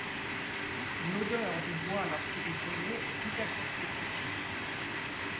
L'odeur du bois lorsqu'il est brûlé est tout à fait spécifique.